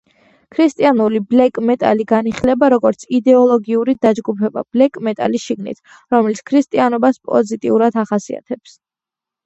ქრისტიანული ბლეკ-მეტალი განიხილება, როგორც იდეოლოგიური დაჯგუფება ბლეკ-მეტალის შიგნით, რომელიც ქრისტიანობას პოზიტიურად ახასიათებს.